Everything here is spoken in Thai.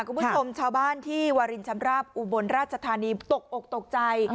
คุณผู้ชมชาวบ้านที่วารินชำราบอุบลราชธานีตกอกตกใจ